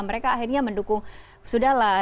mereka akhirnya mendukung sudahlah